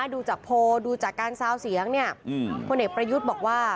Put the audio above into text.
ดูจากโพลดูจากการซาวเสียงเนี่ยพลเอกประยุทธ์บอกว่า